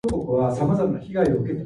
Butts also adopted Rodker's pacifism.